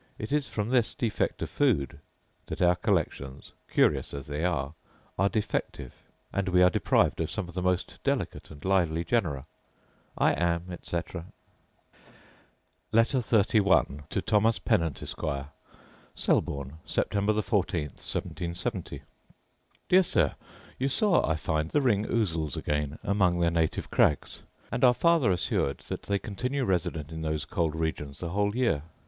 It is from this defect of food that our collections (curious as they are) are defective, and we are deprived of some of the most delicate and lively genera. I am, etc. Letter XXXI To Thomas Pennant, Esquire Selborne, Sept. 14, 1770. Dear Sir, You saw, I find, the ring ousels again among their native crags; and are farther assured that they continue resident in those cold regions the whole year.